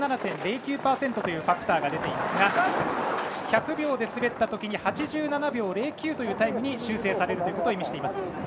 ８７．０９％というファクターが出ていますが１００秒で滑ったときに８７秒０９というタイムに修正されることを意味しています。